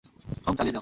হুম, চালিয়ে যাও।